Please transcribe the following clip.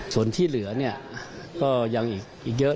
ส่วนที่เหลือเนี่ยก็ยังอีกเยอะ